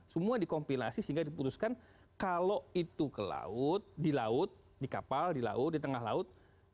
semua dikompilasi sehingga diputuskan kalau itu ke laut di laut di kapal di laut di tengah laut